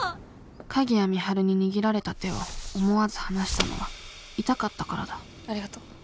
鍵谷美晴に握られた手を思わず離したのは痛かったからだありがとう。